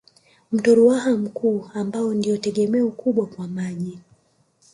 Mto Ruaha mkuu ambao ndio tegemeo kubwa kwa maji